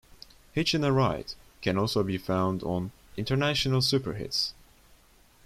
"Hitchin' a Ride" can also be found on "International Superhits!